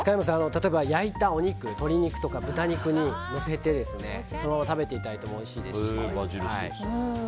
例えば焼いた鶏肉とか豚肉にのせてそのまま食べていただいてもおいしいですし。